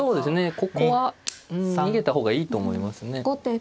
ここは逃げた方がいいと思いますね。